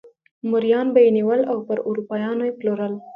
مریان به یې نیول او پر اروپایانو پلورل.